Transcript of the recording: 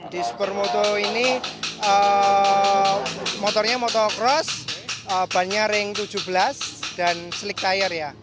di supermoto ini motornya motocross bannya ring tujuh belas dan slick tire ya